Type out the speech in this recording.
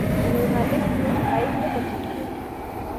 که ژورنالیست وي نو حقایق نه پټیږي.